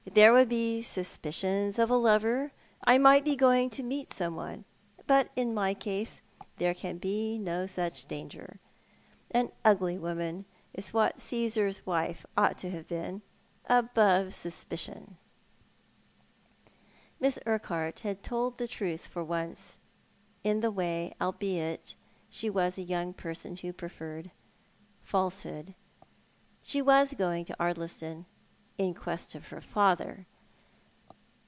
There would be suspicions of a lover — I might be going to meet Home Questions. 261 Bomcone. Bat iu my case, there cau lie no such danger. An ugly womau is what C;vsar"s wife ought to have beeu — abovo suspicion." Miss Urquhart had told the truth for once iu the way, albeit she was a young person who preferred falsehood. iShe was going to Ardlistou — iu quest of her father.